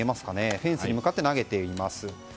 フェンスに向かって投げています。